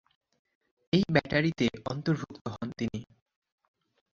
এই ব্যাটারিতে অন্তর্ভুক্ত হন তিনি।